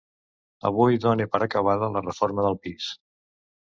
Avui done per acabada la reforma del pis.